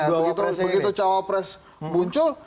makanya begitu cawapres muncul